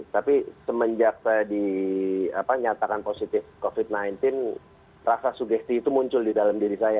tapi semenjak saya dinyatakan positif covid sembilan belas rasa sugesti itu muncul di dalam diri saya